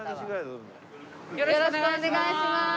よろしくお願いします！